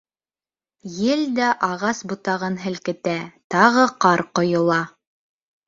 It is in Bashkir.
Ел дә ағас ботағын һелкетә, тағы ҡар ҡойола.